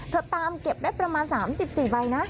ตามเก็บได้ประมาณ๓๔ใบนะ